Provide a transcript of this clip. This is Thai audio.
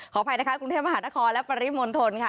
อภัยนะคะกรุงเทพมหานครและปริมณฑลค่ะ